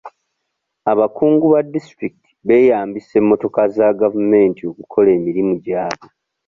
Abakungu ba disitulikiti beeyambisa emmotoka za gavumenti okukola emirimu gyabwe.